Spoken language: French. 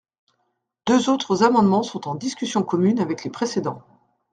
Deux autres amendements sont en discussion commune avec les précédents.